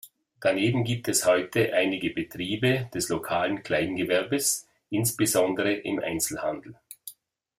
Daneben gibt es heute einige Betriebe des lokalen Kleingewerbes, insbesondere im Einzelhandel.